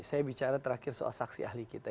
saya bicara terakhir soal saksi ahli kita